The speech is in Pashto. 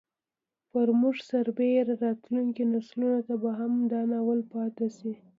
پر موږ سربېره راتلونکو نسلونو ته به هم دا ناول پاتې شي.